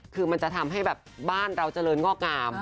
คือมันจะทำให้แบบบ้านเราเจริญงอกงาม